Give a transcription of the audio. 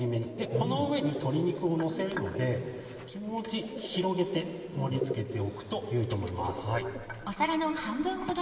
この上に鶏肉をのせるので気持ち広げて盛り付けておくとよいと思います。